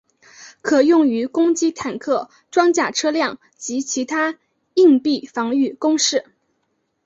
可用于攻击坦克装甲车辆及其它硬壁防御工事。